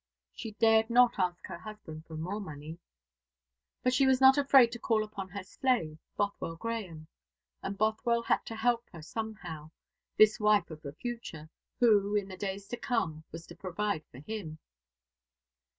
She dared not ask her husband for more money. But she was not afraid to call upon her slave, Bothwell Grahame; and Bothwell had to help her somehow, this wife of the future, who, in the days to come, was to provide for him.